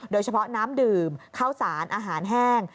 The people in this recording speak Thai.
โดยเฉพาะน้ำดื่มเข้าสารอาหารแห้ง